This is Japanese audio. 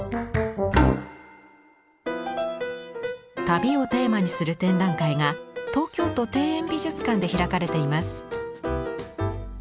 旅をテーマにする展覧会が東京都庭園美術館で開かれています。